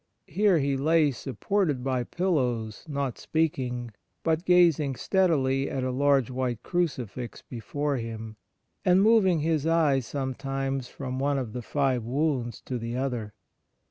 ' Here he lay supported by pillows, not speaking, but gazing steadily at a large white crucifix before him, and moving his eyes some times from one of the Five Wounds to the other.